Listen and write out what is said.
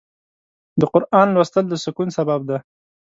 د قرآن لوستل د سکون سبب دی.